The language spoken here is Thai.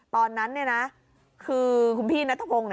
ตอนนั้นคือคุณพี่นัทพงศ์